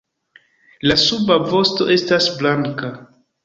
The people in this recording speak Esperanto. La suba vosto estas blanka.